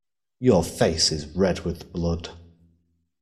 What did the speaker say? Your face is red with blood.